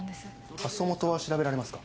発送元は調べられますか？